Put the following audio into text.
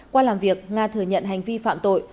qua làm việc nga thừa nhận hành vi phạm tội